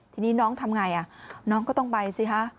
ทีนี้น้องทำไงน้องก็ต้องไปสิคะ